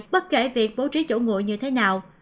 bất kể việc bố trí chỗ ngồi như thế nào